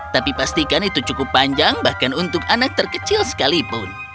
tapi pastikan itu cukup panjang bahkan untuk anak terkecil sekalipun